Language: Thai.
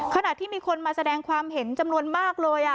ขณะที่มีคนมาแสดงความเห็นจำนวนมากเลย